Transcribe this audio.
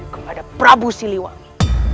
kepada prabu siliwangi